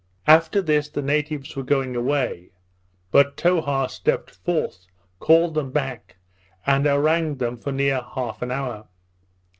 After this the natives were going away; but Towha stepped forth, called them back, and harangued them for near half an hour.